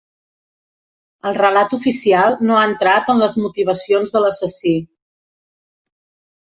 El relat oficial no ha entrat en les motivacions de l'assassí.